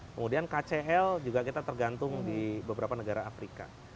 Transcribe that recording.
kemudian kcl juga kita tergantung di beberapa negara afrika